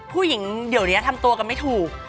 ผู้หญิงเดี๋ยวนี้ทำตัวกันไม่ถูก